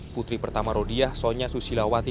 putri pertama rodiah sonya susilawati